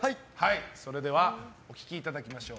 それではお聴きいただきましょう。